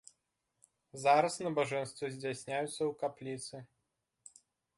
Зараз набажэнствы здзяйсняюцца ў капліцы.